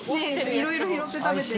いろいろ拾って食べてる。